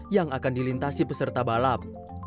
yang akan dilintasi peserta balap